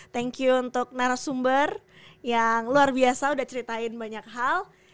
thank you untuk narasumber yang luar biasa udah ceritain banyak hal